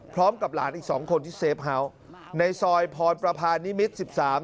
พร้อมกับหลานอีกสองคนที่เซฟเฮาส์ในซอยพรประพานิมิตรสิบสาม